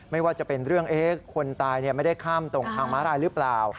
ไม่ว่าจะเป็นเรื่องคนตายไม่ได้ข้ามตรงทางม้าลายหรือเปล่า